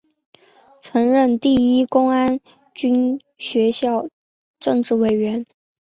曾任第一公安军学校政治委员。